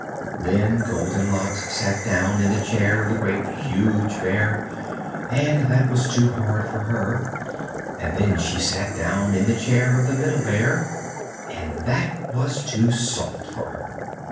Then Goldenlocks sat down in the chair of the Great, Huge Bear, and that was too hard for her. And then she sat down in the chair of the Middle Bear, and that was too soft for her.